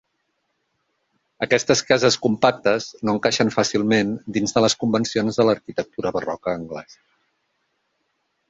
Aquestes cases compactes no encaixen fàcilment dins de les convencions de l'arquitectura barroca anglesa.